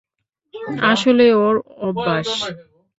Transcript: আসলে ওর অভ্যাস।